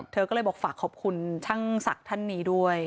เธอก็เลยบอกฝากขอบคุณช่างศักดิ์ท่านนี้ด้วย